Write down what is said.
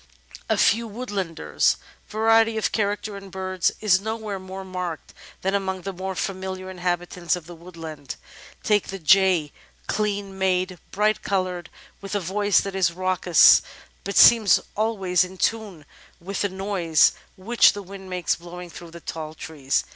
A Few Woodlanders Variety of character in birds is nowhere more marked than among the more familiar inhabitants of the woodland. Take the Jay — clean made, bright coloured, with a voice that is raucous but seems always in tune with the noise which the wind makes blowing through the tall trees.